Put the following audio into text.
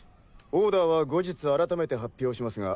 オーダーは後日改めて発表しますが。